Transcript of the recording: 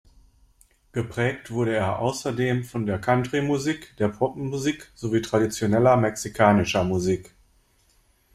Geprägt wurde er außerdem von der Country-Musik, der Pop-Musik sowie traditioneller mexikanischer Musik.